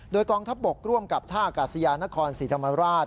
โดยกองทัพบกร่วมกับท่าอากาศยานครศรีธรรมราช